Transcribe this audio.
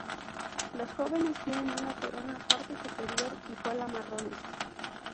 Los jóvenes tienen una corona, parte superior y cola marrones.